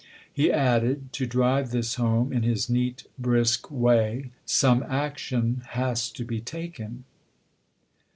He added, to drive this home, in his neat, brisk way :" Some action has to be taken."